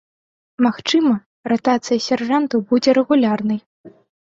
Магчыма, ратацыя сяржантаў будзе рэгулярнай.